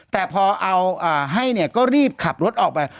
แต่พอเอาให้เนี่ยก็รีบขับรถออกไป